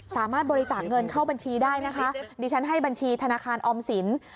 สามารถบริจาคเงินเข้าบัญชีได้นะคะดิฉันให้บัญชีธนาคารออมสิน